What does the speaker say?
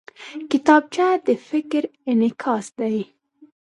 کتابچه د فکر انعکاس دی